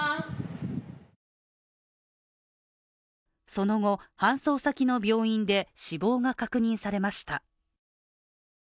その後、搬送先の病院で死亡が確認されました。